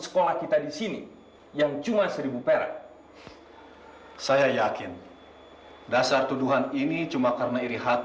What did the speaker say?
sekolah kita di sini yang cuma seribu perak saya yakin dasar tuduhan ini cuma karena iri hati